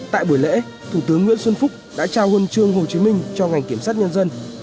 tại buổi lễ thủ tướng nguyễn xuân phúc đã trao huân chương hồ chí minh cho ngành kiểm sát nhân dân